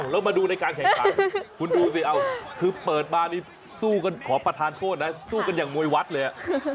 แล้วมาดูในการแข่งขันคุณดูสิเอาคือเปิดมานี่สู้กันขอประทานโทษนะสู้กันอย่างมวยวัดเลย